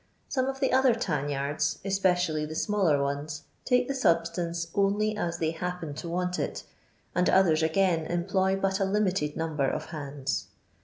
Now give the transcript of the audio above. Some of the other tanyards, especially the smaller ones, tike the substance only ns they happen to want it, and others again employ but a limited number of hands.